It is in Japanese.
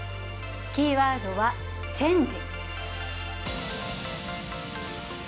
キーワードは、チェンジ。